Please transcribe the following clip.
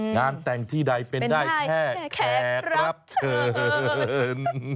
งานแต่งที่ใดเป็นได้แค่แขกรับเชิญ